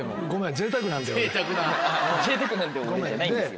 「ぜいたくなんだよ俺」じゃないんですよ。